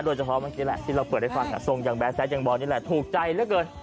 โดยเฉพาะเมื่อกี้แหละที่เราเปิดให้ฟังล่ะทรงยังแบสแทสอย่างบอลนี้แหละถูกใจแล้วกัน